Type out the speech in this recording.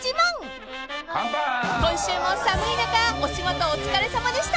［今週も寒い中お仕事お疲れさまでした］